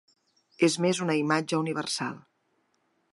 És més una imatge universal.